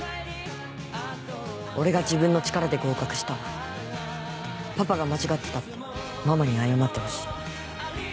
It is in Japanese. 俺が自分の力で合格したらパパが間違ってたってママに謝ってほしい。